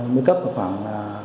nơi cấp khoảng